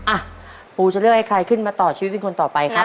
อ่ะปูจะเลือกให้ใครขึ้นมาต่อชีวิตเป็นคนต่อไปครับ